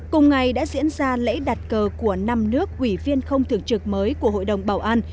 cùng ngày đã diễn ra lễ đặt cờ của năm nước ủy viên không thưởng trực mới của hội đồng bảo an